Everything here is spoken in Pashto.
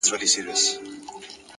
لوړې هیلې لوړې هڅې غواړي’